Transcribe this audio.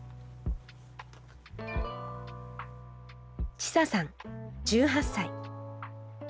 ちささん１８歳。